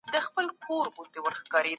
دولت جوړول د عصبیت په زوال اغیز لري.